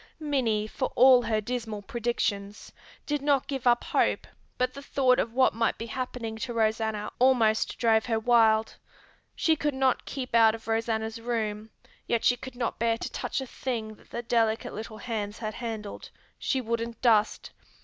Minnie, for all her dismal predictions, did not give up hope but the thought of what might be happening to Rosanna almost drove her wild. She could not keep out of Rosanna's room, yet she could not bear to touch a thing that the delicate little hands had handled. She wouldn't dust.